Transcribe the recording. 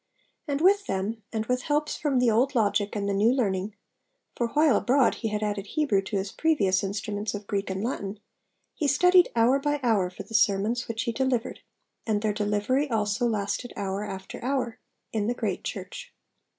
And with them, and with helps from the old logic and the new learning (for while abroad he had added Hebrew to his previous instruments of Greek and Latin) he studied hour by hour for the sermons which he delivered and their delivery also lasted hour after hour in the great church.